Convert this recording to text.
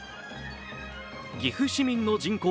岐阜市民の人口